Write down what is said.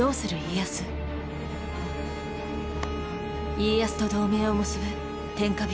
家康と同盟を結ぶ天下人